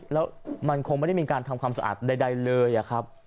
แล้วมันคงไม่ได้มีการทำความสะอาดใดเลยอะครับ